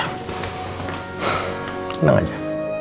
kau tenang aja